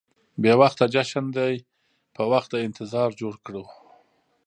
بې وخته جشن دې په وخت د انتظار جوړ کړو.